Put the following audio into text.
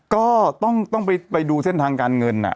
ก็ต้องไปดูเส้นทางการเงิน